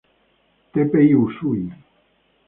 Teppei Usui